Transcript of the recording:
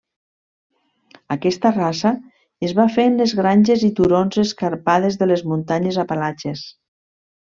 Aquesta raça es va fer en les granges i turons escarpades de les Muntanyes Apalatxes.